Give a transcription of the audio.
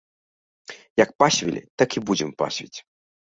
Як пасвілі, так і будзем пасвіць!